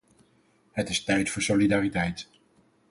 Het is tijd voor solidariteit.